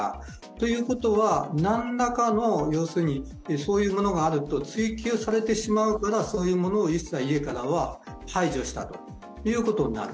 ということは何らかのそういうものがあると追及されてしまうから、そういうものを一切家からは排除したということになる。